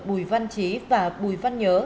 bùi văn trí và bùi văn nhớ